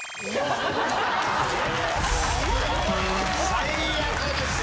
・最悪ですよ！